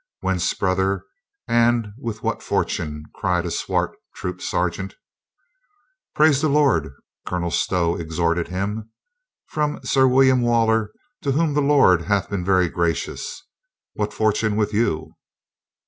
"Whence, brother? And with what fortune?" cried a swart troop sergeant. "Praise the Lord !" Colonel Stow exhorted him. "From Sir William Waller, to whom the Lord hath been very gracious. What fortune with you?"